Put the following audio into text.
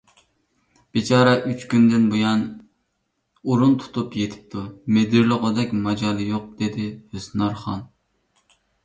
— بىچارە ئۈچ كۈندىن بۇيان ئورۇن تۇتۇپ يېتىپتۇ، مىدىرلىغۇدەك ماجالى يوق، — دېدى ھۆسنارخان.